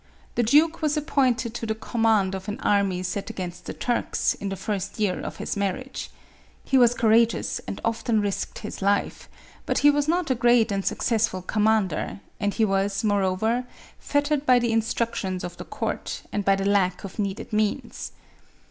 The duke was appointed to the com mand of an army sent against the Turks, in the first year of his marriage. He was courageous, and often risked his life ; but he was not a great and successful commander, and he was, moreover, fettered by the in structions of the court, and by the lack of needed means.